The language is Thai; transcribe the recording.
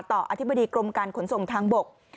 อธิบดีกรมการขนส่งทางบก